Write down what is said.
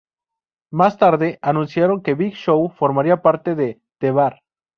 Más tarde, anunciaron que Big Show formaría parte de The Bar.